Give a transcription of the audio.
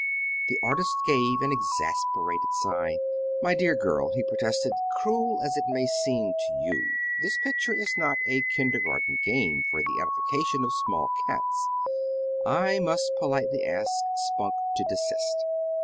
The artist gave an exasperated sigh. "My dear girl," he protested, "cruel as it may seem to you, this picture is not a kindergarten game for the edification of small cats. I must politely ask Spunk to desist."